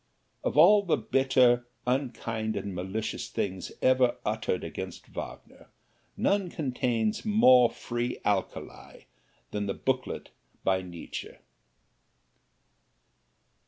Of all the bitter, unkind and malicious things ever uttered against Wagner, none contains more free alkali than the booklet by Nietzsche.